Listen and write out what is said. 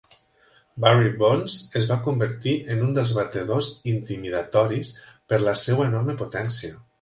Barry Bonds es va convertir en un dels batedors intimidatoris per la seva enorme potència.